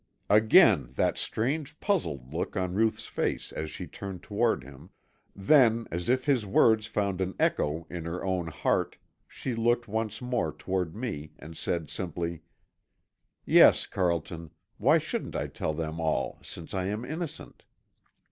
Again that strange puzzled look on Ruth's face as she turned toward him, then as if his words found an echo in her own heart, she looked once more toward me and said simply, "Yes, Carlton, why shouldn't I tell him all since I am innocent?"